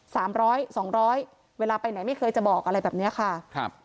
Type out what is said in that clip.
สามร้อยสองร้อยเวลาไปไหนไม่เคยจะบอกอะไรแบบเนี้ยค่ะครับ